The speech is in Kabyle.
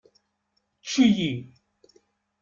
Ečč-iyi.